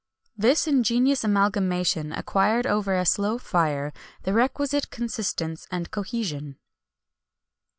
This ingenious amalgamation acquired over a slow fire the requisite consistence and cohesion.